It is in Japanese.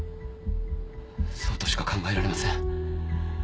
そうとしか考えられません。